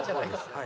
はい。